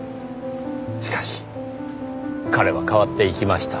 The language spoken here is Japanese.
しかし彼は変わっていきました。